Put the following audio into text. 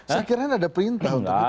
sekiranya ada perintah untuk itu enggak